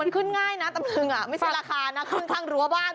มันขึ้นง่ายนะตำลึงไม่ใช่ราคานะขึ้นข้างรั้วบ้าน